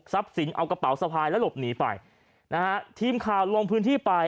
สินเอากระเป๋าสะพายแล้วหลบหนีไปนะฮะทีมข่าวลงพื้นที่ไป